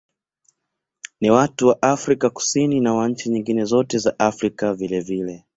Ni wa watu wa Afrika Kusini na wa nchi nyingine zote za Afrika vilevile.